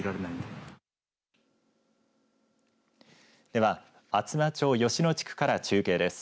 では、厚真町吉野地区から中継です。